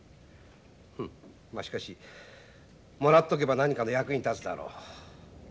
しかしもらっとけば何かの役に立つだろう。